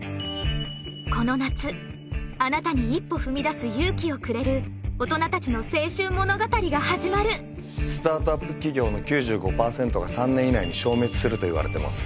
この夏あなたに一歩踏み出す勇気をくれる大人達の青春物語が始まるスタートアップ企業の９５％が３年以内に消滅すると言われてます